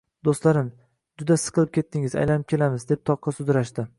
Do‘stlarim: «Juda siqilib ketdingiz, aylanib kelamiz», deb toqqa sudrashdi.